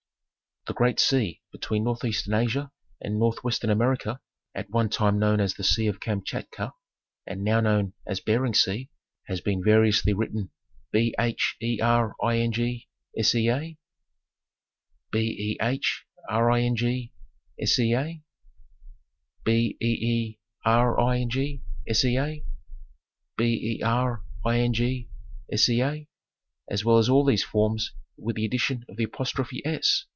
The great sea between Northeastern Asia and Northwestern America, at one time known as the Sea of Kamchatka, and now known as Bering Sea, has been variously written Bhering Sea, Behring Sea, Beering Sea, Bering Sea, as well as all these forms with the addition of the apostrophe "s."